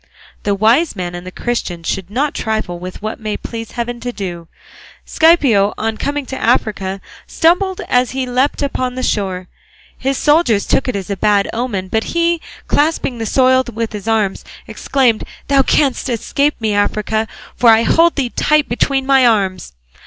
The wise man and the Christian should not trifle with what it may please heaven to do. Scipio on coming to Africa stumbled as he leaped on shore; his soldiers took it as a bad omen; but he, clasping the soil with his arms, exclaimed, 'Thou canst not escape me, Africa, for I hold thee tight between my arms.